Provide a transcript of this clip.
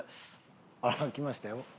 あら来ましたよ。